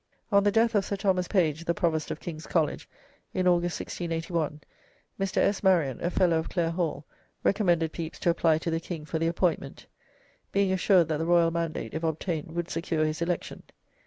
On the death of Sir Thomas Page, the Provost of King's College, in August, 1681, Mr. S. Maryon, a Fellow of Clare Hall, recommended Pepys to apply to the King for the appointment, being assured that the royal mandate if obtained would secure his election.